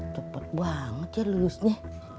cepet banget ya lulusnya